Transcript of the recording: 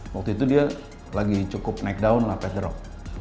waktu itu dia lagi cukup naik daun lah pat the rock